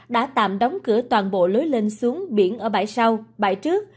đã tạm đóng cửa toàn bộ lối lên xuống biển ở bãi sau bãi trước